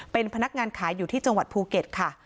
เป็นพนักงานขายอยู่ที่จังหวัดภูเก็ตค่ะ